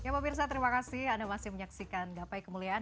pemirsa terimakasih anda masih menyaksikan gapai kemuliaan